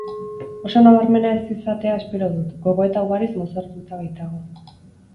Oso nabarmena ez izatea espero dut, gogoeta ugariz mozorrotuta baitago.